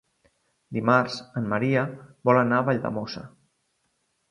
Dimarts en Maria vol anar a Valldemossa.